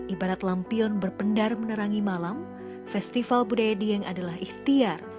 ibarat lampion berpendar menerangi malam festival budaya dieng adalah ikhtiar